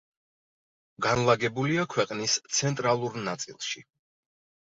განლაგებულია ქვეყნის ცენტრალურ ნაწილში.